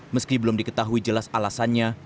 meski belum diketahui jelas alasannya